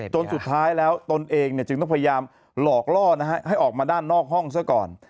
จนสุดท้ายแล้วตนเองจึงต้องพยายามหลอกล่อให้ออกมาด้านนอกห้องซะก่อน